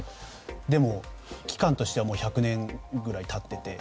でも期間としては１００年ぐらい経っていて。